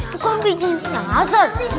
tukang pijit nyasar